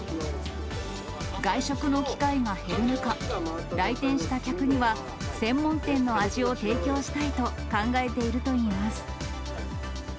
外食の機会が減る中、来店した客には、専門店の味を提供したいと考えているといいます。